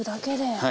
はい。